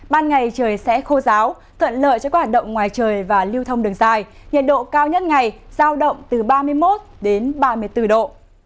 ban ngày trời sẽ khô giáo thuận lợi cho các hoạt động ngoài trời và lưu thông đường dài nhiệt độ cao nhất ngày giao động từ ba mươi một ba mươi bốn độ